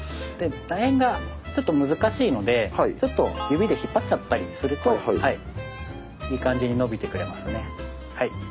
だ円がちょっと難しいのでちょっと指でひっぱっちゃったりするといい感じにのびてくれますね。